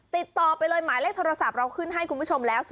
ติดต่อไปเลยหมายเลขโทรศัพท์เราขึ้นให้คุณผู้ชมแล้ว